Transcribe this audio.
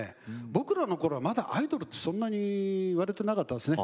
僕らのころはまだアイドルってそんなに言われていなかったんですね。